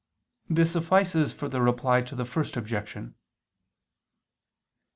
This suffices for the Reply to the First Objection.